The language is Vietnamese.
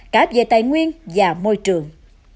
cả về tài nguyên và môi trường